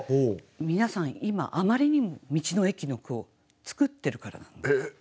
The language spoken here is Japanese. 皆さん今あまりにも「道の駅」の句を作ってるからなんです。